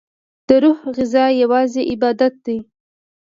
دروح غذا یوازی عبادت دی